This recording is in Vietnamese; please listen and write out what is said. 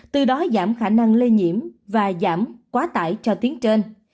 từ đó giảm khả năng lây nhiễm và giảm quá tải cho tuyến trên